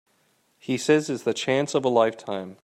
He says it's the chance of a lifetime.